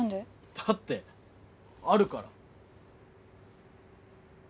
だってあるから。